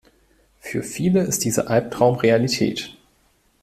Für viele ist dieser Albtraum Realität.